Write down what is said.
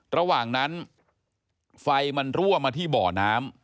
ระหว่างนั้นไฟมันรั่วมาที่บ่อน้ำ